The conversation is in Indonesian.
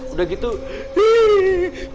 udah gitu hihihihih